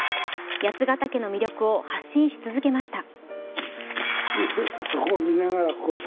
八ヶ岳の魅力を発信し続けました。